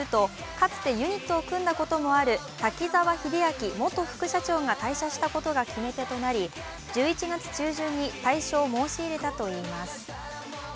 かつてユニットを組んだこともある滝沢秀明元副社長が退社したことが決め手となり１１月中旬に退所を申し入れたといいます。